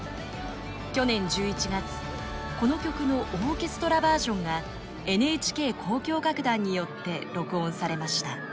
去年１１月この曲のオーケストラバージョンがＮＨＫ交響楽団によって録音されました。